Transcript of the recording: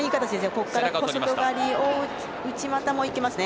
ここから小外刈り、大内内股も行けますね。